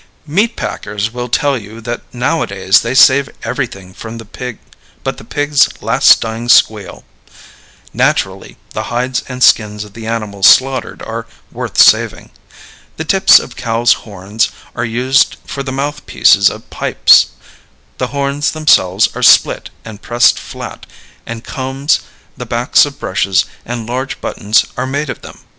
Meat packers will tell you that nowadays they save everything but the pig's last dying squeal. Naturally, the hides and skins of the animals slaughtered are worth saving. The tips of cows' horns are used for the mouthpieces of pipes; the horns themselves are split and pressed flat, and combs, the backs of brushes, and large buttons are made of them.